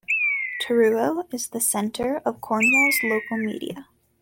Truro is the centre of Cornwall's local media.